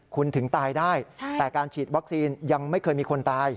คุณถึงตายได้แต่การฉีดวัคซีนยังไม่เคยมีคนตาย